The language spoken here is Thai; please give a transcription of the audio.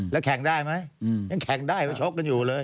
แล้วแข่งได้ไหมยังแข่งได้มาชกกันอยู่เลย